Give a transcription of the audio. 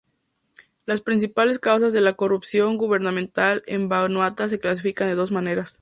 Las principales causas de la corrupción gubernamental en Vanuatu se clasifican de dos maneras.